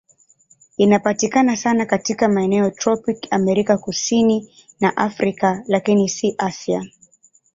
Inapatikana sana katika maeneo ya tropiki Amerika Kusini na Afrika, lakini si Asia.